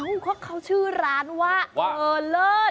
เพราะเขาชื่อร้านว่าเออเลิศ